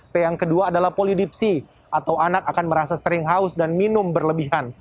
p yang kedua adalah polidipsi atau anak akan merasa sering haus dan minum berlebihan